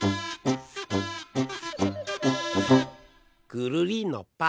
くるりんのぱ！